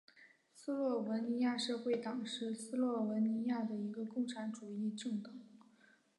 斯洛文尼亚社会党是斯洛文尼亚的一个共产主义政党。